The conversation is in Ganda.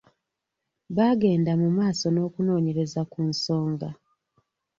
Baagenda mu maaso n'okunoonyereza ku nsonga.